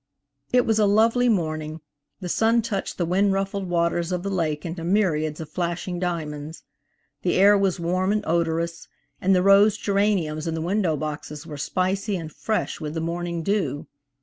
IT was a lovely morning; the sun touched the wind ruffled waters of the lake into myriads of flashing diamonds. The air was warm and odorous, and the rose geraniums in the window boxes were spicy and fresh with the morning dew.